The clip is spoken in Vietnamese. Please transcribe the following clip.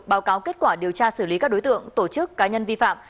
báo cáo kết quả điều tra xử lý các đối tượng tổ chức cá nhân vi phạm